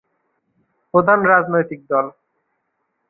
প্রধান রাজনৈতিক দল।